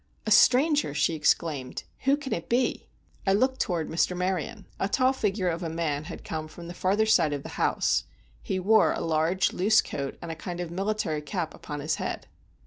"A stranger!" she exclaimed. "Who can it be?" I looked toward Mr. Maryon. A tall figure of a man had come from the farther side of the house; he wore a large, loose coat and a kind of military cap upon his head.